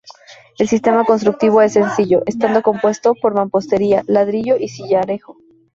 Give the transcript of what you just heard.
El sistema constructivo es sencillo, estando compuesto por mampostería, ladrillo y sillarejo.